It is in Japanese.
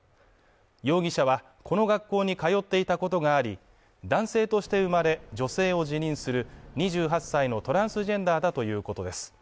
容疑者はこの学校に通っていたことがあり、男性として生まれ、女性を自認する２８歳のトランスジェンダーだということです。